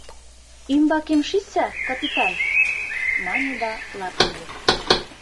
— Ӱмбакем шичса, капитан, — мане да лап лие.